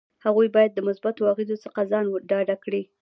هغوی باید د مثبتو اغیزو څخه ځان ډاډه کړي.